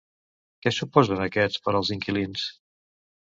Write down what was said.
Què suposen aquests per als inquilins?